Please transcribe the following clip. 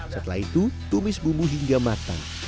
setelah itu tumis bumbu hingga matang